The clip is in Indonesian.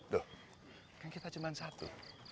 dok kan kita cuma satu